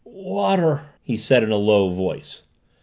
"Water!" he said in a low voice.